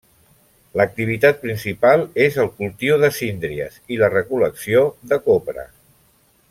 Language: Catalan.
L'activitat principal és el cultiu de síndries i la recol·lecció de copra.